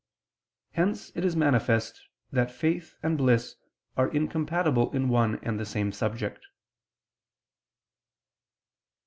Hence it is manifest that faith and bliss are incompatible in one and the same subject.